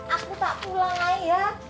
aku tak pulang lagi ya